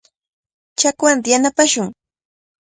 Chakwanta yanapashun.